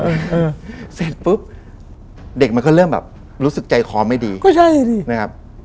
เออเออเสร็จปุ๊บเด็กมันก็เริ่มแบบรู้สึกใจคอไม่ดีก็ใช่ดินะครับ